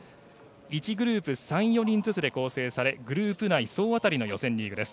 １グループ３４人ずつで構成されグループ内、総当たりの予選リーグです。